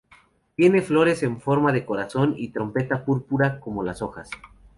Tiene flores en forma de corazón y trompeta púrpura como las hojas.